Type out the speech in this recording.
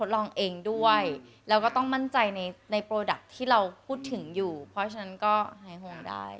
เพราะฉะนั้นก็หายห่วงได้